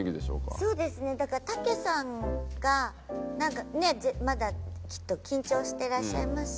そうですねだから茸さんがなんかねまだきっと緊張してらっしゃいますし。